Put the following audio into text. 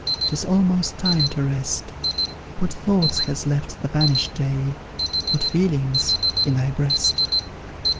'Tis almost time to rest; What thoughts has left the vanished day, What feelings in thy breast?